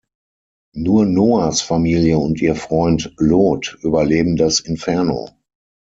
Nur Noahs Familie und ihr Freund Lot überleben das Inferno.